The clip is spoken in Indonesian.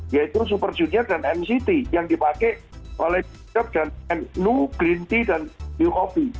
yaitu super junior dan nct yang dipakai oleh new green tea dan new hopi